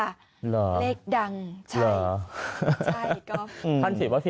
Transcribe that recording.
เหรอเหรอเลขดังใช่ใช่ก็